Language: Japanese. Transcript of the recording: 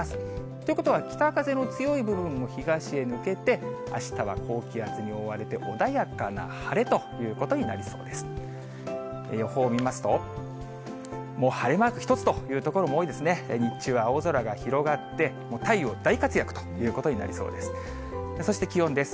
ということは、北風の強い部分も東へ抜けて、あしたは高気圧に覆われて、穏やかな晴れということになりそうです。